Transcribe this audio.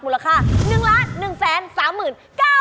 ค่า๑๑๓๙๐๐บาท